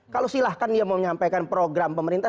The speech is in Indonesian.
kalau silahkan dia mau menyampaikan program pemerintah